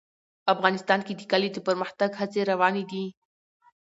افغانستان کې د کلي د پرمختګ هڅې روانې دي.